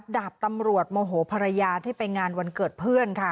ดาบตำรวจโมโหภรรยาที่ไปงานวันเกิดเพื่อนค่ะ